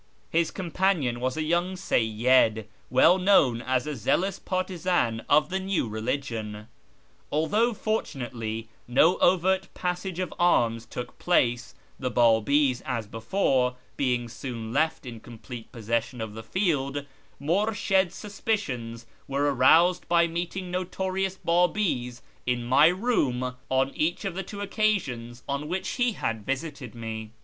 His companion was a young Seyyid, well known as a zealous partisan of the new religion. Although, fortunately, no overt passage of arms took place (the Babis, as before, being soon left in complete posses sion of the field), Murshid's suspicions were aroused by meeting notorious Babis in my room on each of the two occasions on which lie had visited me.